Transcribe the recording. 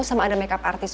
sama ada make up artis